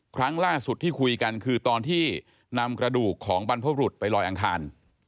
ครั้งล่าสุดที่คุยกันคือตอนที่นำกระดูกของบรรพบรุษไปลอยอังคาร